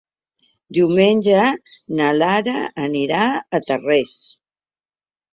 Diumenge na Lara anirà a Tarrés.